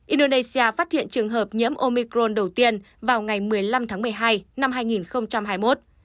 indonesia phát hiện trường hợp nhiễm omicron đầu tiên vào ngày một mươi năm tháng một mươi hai năm hai nghìn hai mươi một